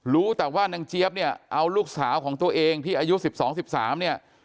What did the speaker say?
รู้แต่ว่านางเจี๊ยบเนี่ยเอาลูกสาวของตัวเองที่อายุ๑๒๑๓เนี่ย